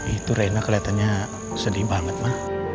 itu reina keliatannya sedih banget ma